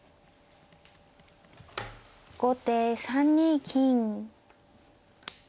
後手３ニ金。